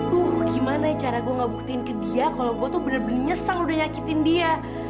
duh gimana ya cara gue gak buktiin ke dia kalo gue tuh bener bener nyesel udah nyakitin dia